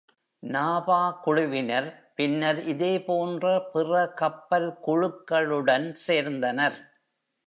"NABBA" குழுவினர் பின்னர் இதேபோன்ற பிற கப்பல் குழுக்களுடன் சேர்ந்தனர்.